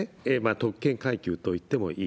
特権階級といってもいい。